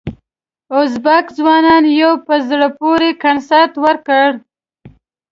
ازبک ځوانانو یو په زړه پورې کنسرت ورکړ.